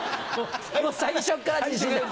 もう最初から自信がない。